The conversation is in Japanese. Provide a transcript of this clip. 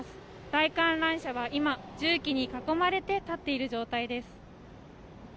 大観覧車は今、重機に囲まれて立っている状態です。